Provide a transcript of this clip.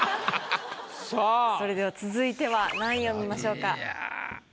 それでは続いては何位を見ましょうか？